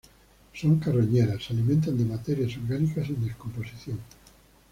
Son carroñeras, se alimentan de materia orgánica en descomposición.